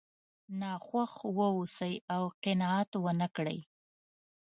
ناخوښ واوسئ او قناعت ونه کړئ.